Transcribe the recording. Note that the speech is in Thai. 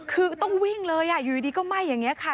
คือต้องวิ่งเลยอยู่ดีก็ไหม้อย่างนี้ค่ะ